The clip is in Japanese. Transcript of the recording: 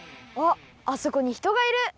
あっあそこにひとがいる。